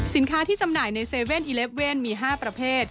ที่จำหน่ายใน๗๑๑มี๕ประเภท